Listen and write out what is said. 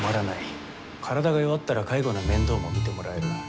体が弱ったら介護の面倒も見てもらえる。